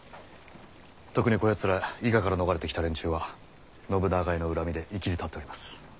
特にこやつら伊賀から逃れてきた連中は信長への恨みでいきりたっております。